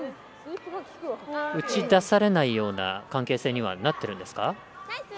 打ち出されないような関係性にはなってるんですか。